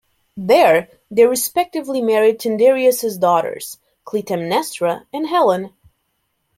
There they respectively married Tyndareus' daughters Clytemnestra and Helen.